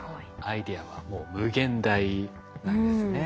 アイデアはもう無限大なんですね。